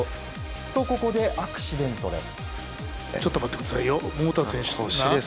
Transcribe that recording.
と、ここでアクシデントです。